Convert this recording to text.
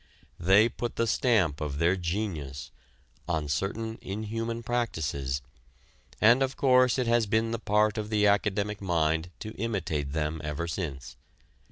They put the stamp of their genius on certain inhuman practices, and of course it has been the part of the academic mind to imitate them ever since.